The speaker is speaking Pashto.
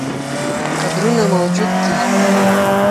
قبرونه موجود دي.